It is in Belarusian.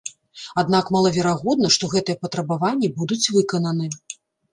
Аднак малаверагодна, што гэтыя патрабаванні будуць выкананы.